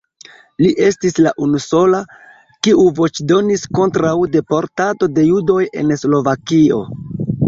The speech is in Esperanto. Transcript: Li estis la unusola, kiu voĉdonis kontraŭ deportado de judoj en Slovakio.